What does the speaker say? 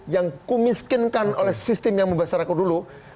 yang kumiskinkan oleh sistem yang membebasar aku dulu